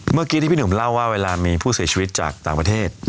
เมื่อกี้ที่พี่หนุ่มเล่าว่าเวลามีผู้เสียชีวิตจากต่างประเทศ